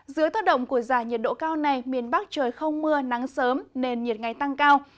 giữa tác động của dài nhiệt độ cao này miền bắc trời không mưa nắng sớm nền nhiệt ngay tăng cao